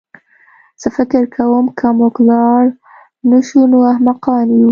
زه فکر کوم که موږ لاړ نه شو نو احمقان یو